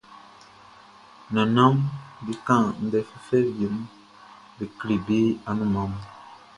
Nannanʼm be kan ndɛ fɛfɛ wie mun be kle be anunman mun.